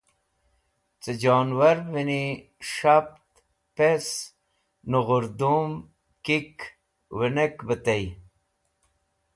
Cẽ jobirvẽni s̃hapt, pes, noghẽrdum, kik, winek be tey